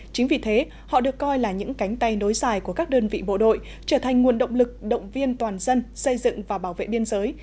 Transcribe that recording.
chính vì thế họ được coi là những cánh tay nối dài của các đơn vị bộ đội trở thành nguồn động lực động viên toàn dân xây dựng và bảo vệ biên giới